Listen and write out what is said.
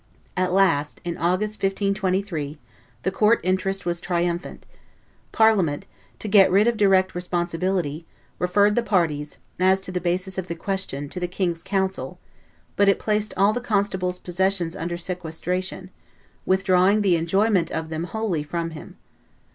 At last, in August, 1523, the court interest was triumphant; Parliament, to get rid of direct responsibility, referred the parties, as to the basis of the question, to the king's council; but it placed all the constable's possessions under sequestration, withdrawing the enjoyment of them wholly from him.